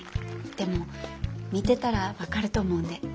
でも見てたら分かると思うんで。